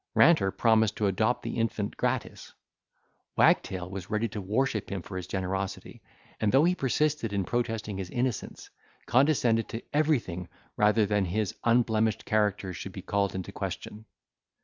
Ranter promised to adopt the infant gratis. Wagtail was ready to worship him for his generosity, and, though he persisted in protesting his innocence, condescended to everything rather than his unblemished character should be called into question.